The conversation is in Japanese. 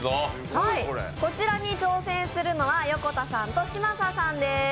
こちらに挑戦するのは横田さんと嶋佐さんです。